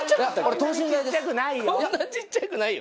そんなに小っちゃくないよ。